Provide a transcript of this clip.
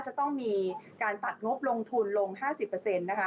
จะต้องมีการตัดงบลงทุนลง๕๐เปอร์เซ็นต์นะคะ